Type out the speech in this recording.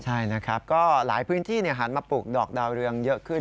ใช่นะครับก็หลายพื้นที่หันมาปลูกดอกดาวเรืองเยอะขึ้น